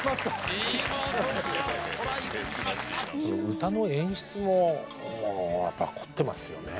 歌の演出も凝ってますよね。